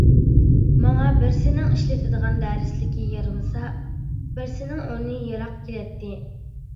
ماڭا بىرسىنىڭ ئىشلىتىدىغان دەرسلىكى يارىمىسا، بىرسىنىڭ ئورنى يىراق كېلەتتى.